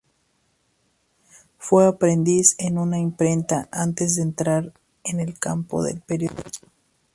Fue aprendiz en una imprenta antes de entrar en el campo del periodismo.